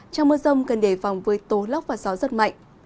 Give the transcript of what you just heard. trong mưa rông cần đề phòng với tố lốc và gió rất mạnh